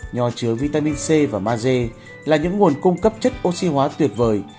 nho chứa vitamin c và maze là những nguồn cung cấp chất oxy hóa tuyệt vời